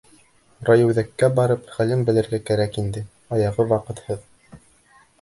Райүҙәккә барып, хәлен белергә кәрәк инде, аяғы ваҡытһыҙ...